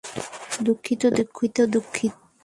দুঃখিত, দুঃখিত, দুঃখিত।